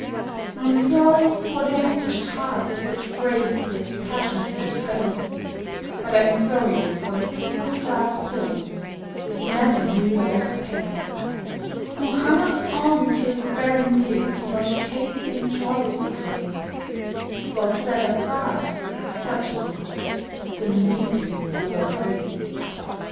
I'm sorry for the anguished hearts that break with passion's strain, But I'm sorrier for the poor starved souls that never knew love's pain, Who hunger on through barren years not tasting joys they crave, For sadder far is such a lot than weeping o'er a grave.